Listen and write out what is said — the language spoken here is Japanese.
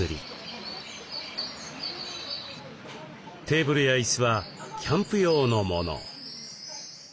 テーブルや椅子はキャンプ用のもの。